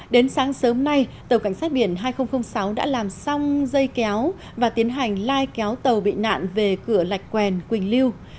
đến sáng sớm nay tàu cảnh sát biển hai nghìn sáu đã làm xong dây kéo và tiến hành lai kéo tàu bị nạn về cửa lạch quèn quỳnh lưu